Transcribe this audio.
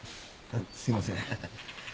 すいません。